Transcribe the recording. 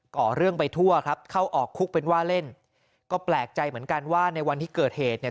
่อเรื่องไปทั่วครับเข้าออกคุกเป็นว่าเล่นก็แปลกใจเหมือนกันว่าในวันที่เกิดเหตุเนี่ย